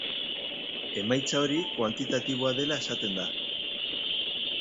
Emaitza hori kuantitatiboa dela esaten da.